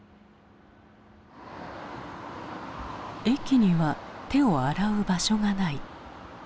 駅には手を洗う場所がない。